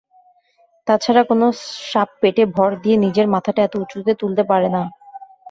তা ছাড়া কোনো সাপ পেটে ভর দিয়ে নিজের মাথাটা এত উঁচুতে তুলতে পারে না।